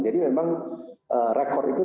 jadi memang rekod itu